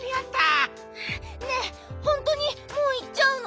ねえほんとにもういっちゃうの？